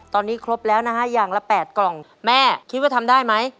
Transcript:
ตอนนี้ครบแล้วนะฮะอย่างละ๘กล่องแม่คิดว่าทำได้ไหม